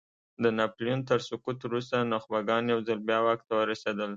د ناپیلیون تر سقوط وروسته نخبګان یو ځل بیا واک ته ورسېدل.